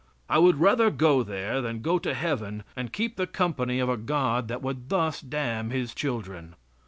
I would rather go there than go to heaven and keep the company of a God that would thus damn his children.